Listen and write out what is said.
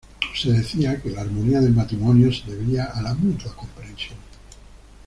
Se decía que la armonía del matrimonio se debía a la mutua comprensión.